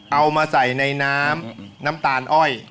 เอามาใส่ในน้ำน้ำตาลอ้อย